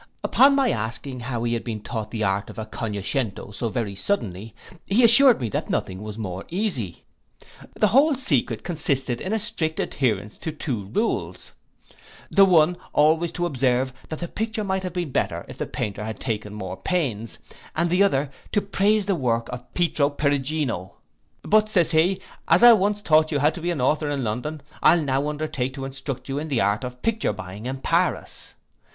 Upon my asking how he had been taught the art of a connoscento so very suddenly, he assured me that nothing was more easy. The whole secret consisted in a strict adherence to two rules: the one always to observe, that the picture might have been better if the painter had taken more pains; and the other, to praise the works of Pietro Perugino. But, says he, as I once taught you how to be an author in London, I'll now undertake to instruct you in the art of picture buying at Paris.